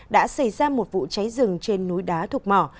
đã xảy ra một vụ cháy rừng trên núi đá thuộc mỏ